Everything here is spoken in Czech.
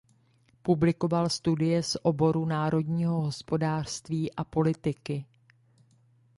Publikoval studie z oboru národního hospodářství a politiky.